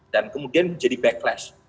dan kemudian jadi backlash